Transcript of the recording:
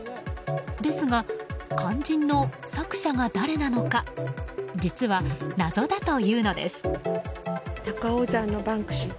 ですが、肝心の作者が誰なのか実は、謎だというのです。